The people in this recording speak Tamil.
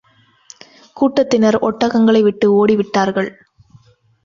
கூட்டத்தினர் ஒட்டகங்களை விட்டு ஓடி விட்டார்கள்.